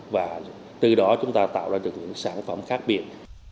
và từ đó chúng ta tạo ra được những sản phẩm khác biệt